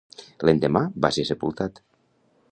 L'endemà, va ser sepultat.